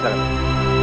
jangan bawa dia